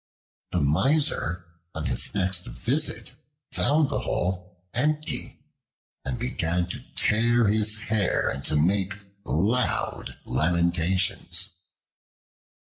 The Miser, on his next visit, found the hole empty and began to tear his hair and to make loud lamentations.